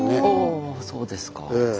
おおそうですか。